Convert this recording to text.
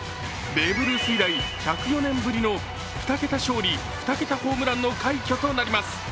ベーブ・ルース以来１０４年ぶりの２桁勝利・２桁ホームランの快挙となります。